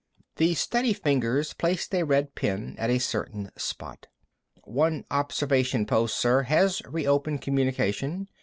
The steady fingers placed a red pin at a certain spot. "One observation post, sir, has reopened communication.